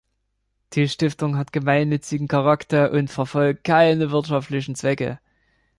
Die Stiftung hat gemeinnützigen Charakter und verfolgt keine wirtschaftlichen Zwecke.